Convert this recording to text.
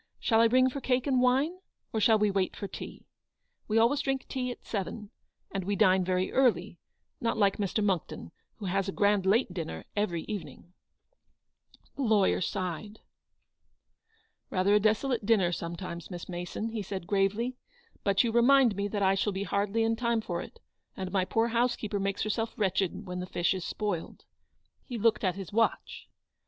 Shall I ring for cake and wine, or shall we wait for tea ? "We always drink tea at seven, and we dine very early; not like Mr. Monckton, who has a grand late dinner every evening." 256 ELEANOR'S VICTORY. The lawyer sighed. "Rather a desolate dinner, sometimes, Miss Mason," he said, gravely ;" but you remind me that I shall be hardly in time for it, and my poor housekeeper makes herself wretched when the fish is spoiled." He looked at his watch.